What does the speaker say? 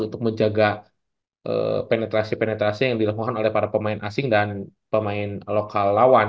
untuk menjaga penetrasi penetrasi yang dilakukan oleh para pemain asing dan pemain lokal lawan